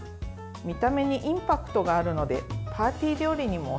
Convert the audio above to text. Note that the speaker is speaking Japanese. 見た目にインパクトがあるのでパーティー料理にもおすすめ。